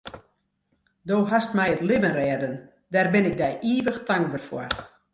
Do hast my it libben rêden, dêr bin ik dy ivich tankber foar.